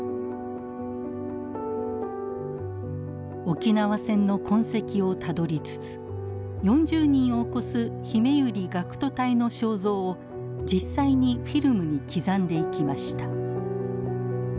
沖縄戦の痕跡をたどりつつ４０人を超す「ひめゆり学徒隊」の肖像を実際にフィルムに刻んでいきました。